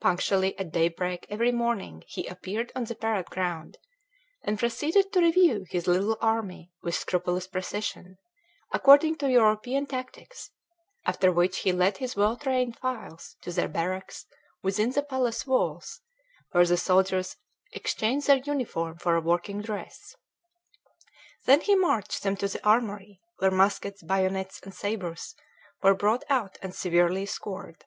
Punctually at daybreak every morning he appeared on the parade ground, and proceeded to review his little army with scrupulous precision, according to European tactics; after which he led his well trained files to their barracks within the palace walls, where the soldiers exchanged their uniform for a working dress. Then he marched them to the armory, where muskets, bayonets, and sabres were brought out and severely scoured.